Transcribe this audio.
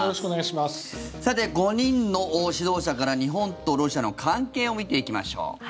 さて、５人の指導者から日本とロシアの関係を見ていきましょう。